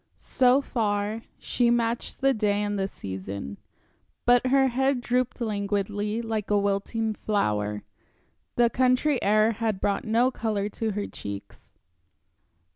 So far, she matched the day and the season. But her head drooped languidly, like a wilting flower, the country air had brought no color to her cheeks.